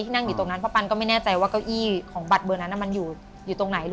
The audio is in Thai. นั่งอยู่ตรงนั้นเพราะปันก็ไม่แน่ใจว่าเก้าอี้ของบัตรเบอร์นั้นมันอยู่ตรงไหน